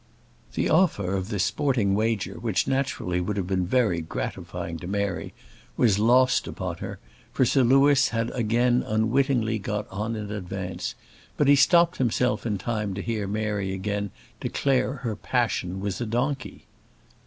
The offer of this sporting wager, which naturally would have been very gratifying to Mary, was lost upon her, for Sir Louis had again unwittingly got on in advance, but he stopped himself in time to hear Mary again declare her passion was a donkey.